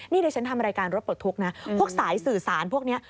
นี่ดิฉันทำรายการรถปลดทุกข์นะพวกสายสื่อสารพวกนี้